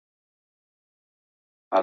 د تېر تاریخ پانګه باید وساتل سي.